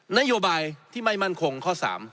นโยบายที่ไม่มั่นคงข้อ๓